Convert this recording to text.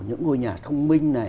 những ngôi nhà thông minh này